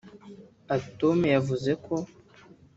Atome yavuze ko